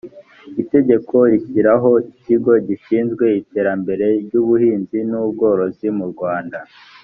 itegeko rishyiraho ikigo gishinzwe iterambere ry ubuhinzi n ubworozi mu rwanda